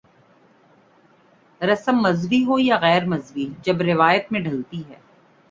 رسم مذہبی ہو یا غیر مذہبی جب روایت میں ڈھلتی ہے۔